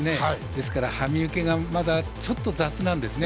ですから馬銜受けがちょっと雑なんですね。